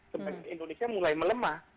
sehingga indonesia mulai melemah